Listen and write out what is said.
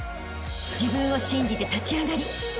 ［自分を信じて立ち上がりあしたへ